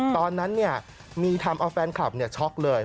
ตอนนั้นมีทำเอาแฟนคลับช็อกเลย